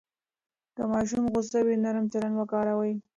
که ماشوم غوسه وي، نرم چلند وکاروئ.